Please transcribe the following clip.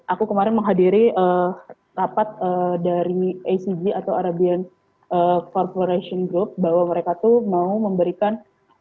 aku kemarin menghadiri rapat dari acg atau arabian corporation group bahwa mereka tuh mau memberikan